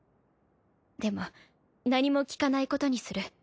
でも何も聞かないことにする。